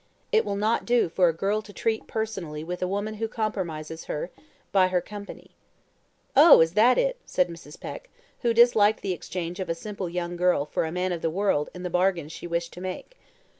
It will not do for a girl to treat personally with a woman who compromises her by her company." "Oh, is that it?" said Mrs. Peck, who disliked the exchange of a simple young girl for a man of the world in the bargain she wished to make.